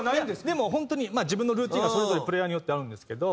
でも本当に自分のルーティンがそれぞれプレーヤーによってあるんですけど。